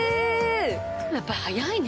やっぱ早いね。